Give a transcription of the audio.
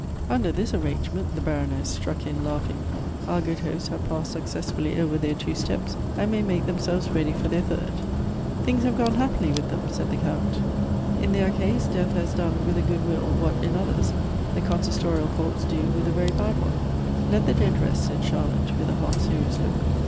" Under this an angement," thew Baroness struck in, laughing, " our good hosts have passed successfully over their two steps, and may make themselves ready for their third." " Things have gone happily with them," said the Count. Elective Affinities. 89 " In their case death has done with a good will ■frhat in others the consistorial courts do with a very bad one." " Let the dead rest," said Charlotte, with a half serious look.